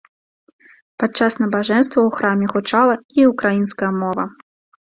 Падчас набажэнства ў храме гучала і ўкраінская мова.